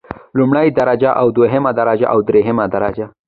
لومړۍ درجه او دوهمه درجه او دریمه درجه.